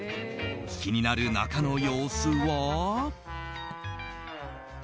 気になる中の様子は。